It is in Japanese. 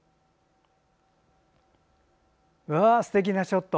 すてきなショット。